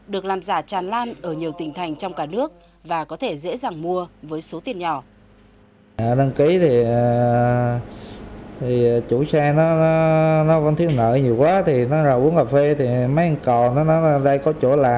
được làm giả tràn lan ở nhiều tỉnh thành trong cả nước và có thể dễ dàng mua với số tiền nhỏ